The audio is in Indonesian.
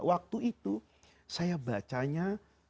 waktu itu saya bacanya